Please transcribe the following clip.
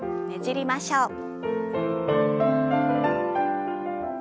ねじりましょう。